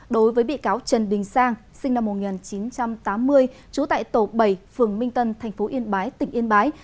đối với bị cáo trần đình sang sinh năm một nghìn chín trăm tám mươi trú tại tổ bảy phường minh tân tp yên bái tỉnh yên bái